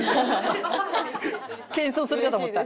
謙遜するかと思った。